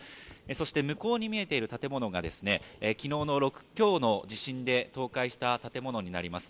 そして、向こうに見えている建物がですね、きのうの６強の地震で倒壊した建物になります。